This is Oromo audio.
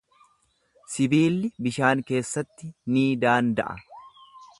Sibiilli bishaan keessatti ni daanda'a.